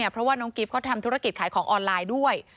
เพราะว่าน้องกิ๊บเขาทำธุรกิจขายของออนไลน์ด้วย